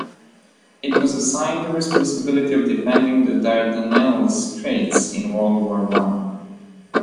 It was assigned the responsibility of defending the Dardanelles straits in World War One.